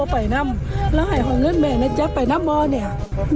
ปากจมูกแล้ว